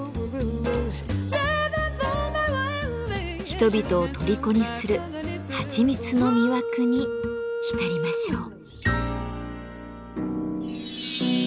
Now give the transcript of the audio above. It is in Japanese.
人々をとりこにするはちみつの魅惑に浸りましょう。